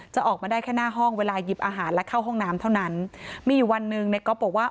ออกมาได้แค่หน้าห้องเวลาหยิบอาหารและเข้าห้องน้ำเท่านั้นมีอยู่วันหนึ่งในก๊อฟบอกว่า